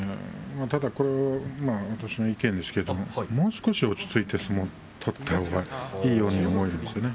ただこれは私の意見ですけれどもう少し落ち着いて相撲を取ったほうがいいように思うんですね。